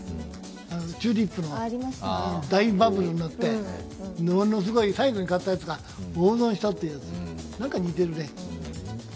チューリップの、大バブルになって、最後に買ったやつが大損したっていう、何か似てるね。